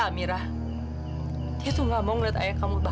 amira ngerti kau bu